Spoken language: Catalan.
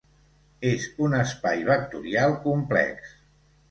És un espai vectorial complex.